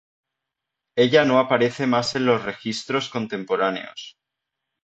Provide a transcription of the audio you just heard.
Ella no aparece más en los registros contemporáneos.